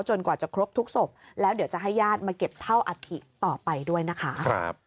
กว่าจะครบทุกศพแล้วเดี๋ยวจะให้ญาติมาเก็บเท่าอัฐิต่อไปด้วยนะคะ